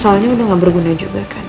soalnya udah gak berguna juga kan